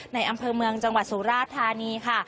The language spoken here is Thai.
อำเภอเมืองจังหวัดสุราธานีค่ะ